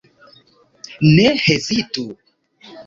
Ne hezitu.